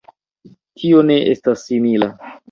Tio ne estas simila.